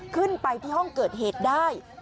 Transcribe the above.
ขึ้นไปที่ห้องเกิดเหตุได้